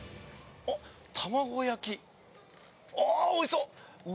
ああーおいしそう！